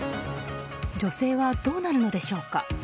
女性はどうなるのでしょうか。